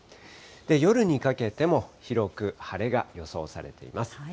夜にかけても広く晴れが予想されています。